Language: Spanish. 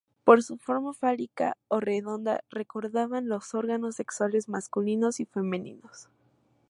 Por su forma fálica o redonda recordaban los órganos sexuales masculinos y femeninos.